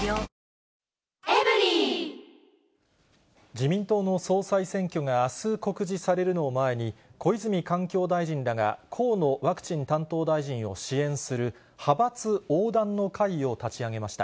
自民党の総裁選挙があす告示されるのを前に、小泉環境大臣らが河野ワクチン担当大臣を支援する派閥横断の会を立ち上げました。